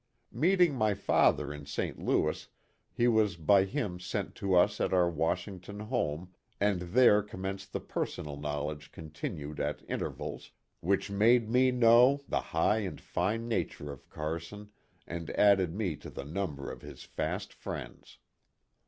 Meeting my father in Saint Louis, he was by KIT CARSON. 39 him sent to us at our Washington home, and there commenced the personal knowledge, con tinued at intervals, which made me know the high and fine nature of Carson and added me to the number of his fast friends.